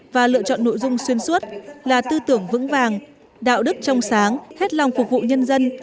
và lựa chọn nội dung xuyên suốt là tư tưởng vững vàng đạo đức trong sáng hết lòng phục vụ nhân dân